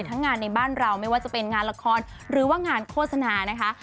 ทั้งงานในบ้านเราไม่ว่าจะเป็นงานละครหรือว่างานโฆษณานะคะ